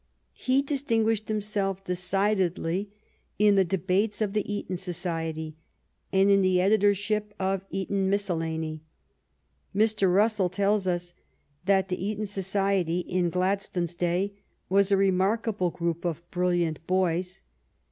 He distinguished himself decidedly in the debates of the " Eton Society " and in the editorship of the " Eton Miscellany." Mr. Russell tells us that the Eton Society in Gladstone's day was " a remark able group of brilliant boys."